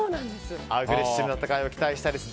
アグレッシブな戦いを期待したいです。